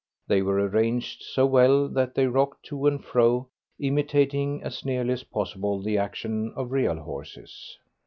They were arranged so well that they rocked to and fro, imitating as nearly as possible the action of real horses.